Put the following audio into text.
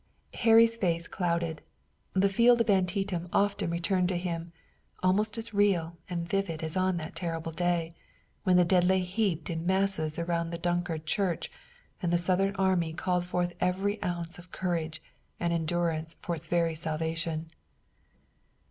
Harry's face clouded. The field of Antietam often returned to him, almost as real and vivid as on that terrible day, when the dead lay heaped in masses around the Dunkard church and the Southern army called forth every ounce of courage and endurance for its very salvation.